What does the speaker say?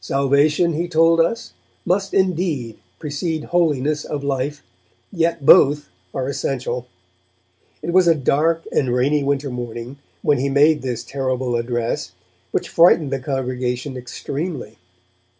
Salvation, he told us, must indeed precede holiness of life, yet both are essential. It was a dark and rainy winter morning when he made this terrible address, which frightened the congregation extremely.